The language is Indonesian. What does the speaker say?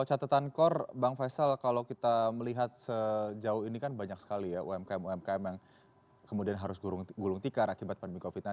kalau catatan kor bang faisal kalau kita melihat sejauh ini kan banyak sekali ya umkm umkm yang kemudian harus gulung tikar akibat pandemi covid sembilan belas